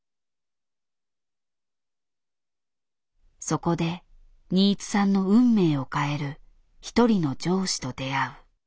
そこで新津さんの運命を変える一人の上司と出会う。